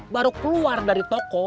baru keluar dari toko